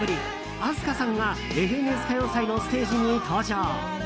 ＡＳＫＡさんが「ＦＮＳ歌謡祭」のステージに登場。